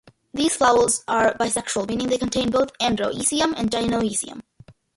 These flowers are bisexual, meaning they contain both androecium and gynoecium.